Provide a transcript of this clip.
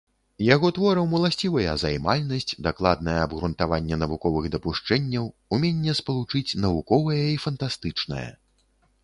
Яго творам уласцівыя займальнасць, дакладнае абгрунтаванне навуковых дапушчэнняў, уменне спалучыць навуковае і фантастычнае.